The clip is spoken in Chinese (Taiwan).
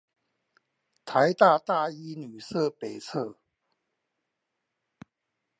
臺大大一女舍北側